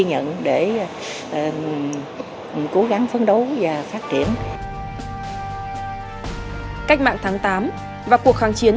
nhận để cố gắng phấn đấu và phát triển cách mạng tháng tám và cuộc kháng chiến